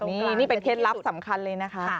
นี่นี่เป็นเคล็ดลับสำคัญเลยนะคะ